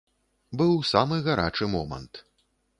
Быў самы гарачы момант.